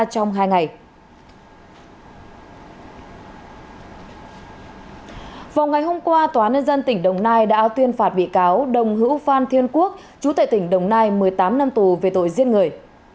vào ngày hôm qua tòa nân dân tỉnh đồng nai đã tuyên phạt bị cáo đồng hữu phan thiên quốc chú tệ tỉnh đồng nai một mươi tám năm tù về tội giết người